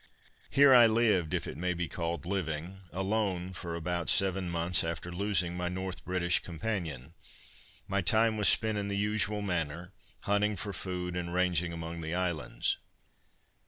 Here I lived, if it may be called living, alone for about seven months, after losing my North British companion. My time was spent in the usual manner, hunting for food, and ranging among the islands.